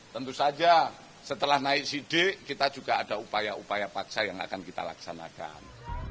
tentu saja setelah naik sidik kita juga ada upaya upaya paksa yang akan kita laksanakan